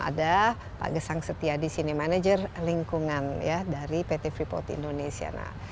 ada pak gesang setia disini manager lingkungan dari pt freeport indonesia